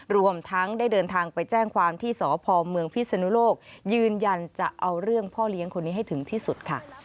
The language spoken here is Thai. รวมทั้งได้เดินทางไปแจ้งความที่สพเมืองพิศนุโลกยืนยันจะเอาเรื่องพ่อเลี้ยงคนนี้ให้ถึงที่สุดค่ะ